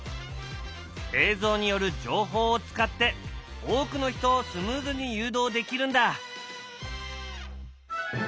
映像による情報を使って多くの人をスムーズに誘導できるんだ！